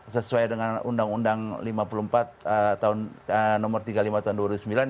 sesuai dengan undang undang lima puluh empat tahun nomor tiga puluh lima tahun dua ribu sembilan